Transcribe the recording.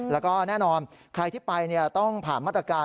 แล้วก็แน่นอนใครที่ไปต้องผ่านมาตรการ